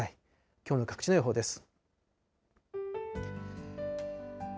きょうの各地の予報です。